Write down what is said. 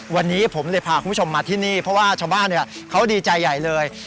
วันนี้ผมเลยพาคุณผู้ชมมาที่นี่เพราะว่าชาวบ้านเขาดีใจใหญ่เลย